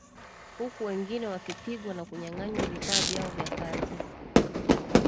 huku wengine wakipigwa na kunyanganywa vifaa vyao vya kazi